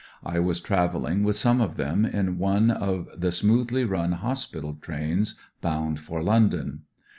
I was travelling with some of them in one of the smoothly running hospital trains boimd for London.